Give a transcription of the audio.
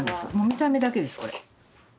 見た目だけですこれ。